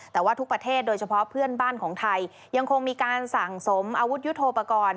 แต่ว่าทุกประเทศโดยเฉพาะเพื่อนบ้านของไทยยังคงมีการสั่งสมอาวุธยุทธโปรกรณ์